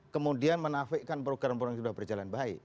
kemudian menafikan program program yang sudah berjalan baik